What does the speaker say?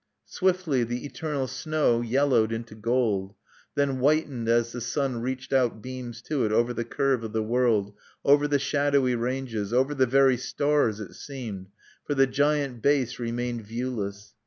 Swiftly the eternal snow yellowed into gold, then whitened as the sun reached out beams to it over the curve of the world, over the shadowy ranges, over the very stars, it seemed; for the giant base remained viewless.